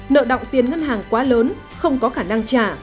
nợ động tiền ngân hàng quá lớn không có khả năng trả